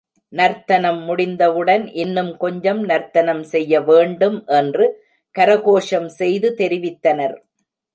நர்த்தனம் முடிந்தவுடன், இன்னும் கொஞ்சம் நர்த்தனம் செய்யவேண்டும் என்று கரகோஷம் செய்து தெரிவித்தனர்.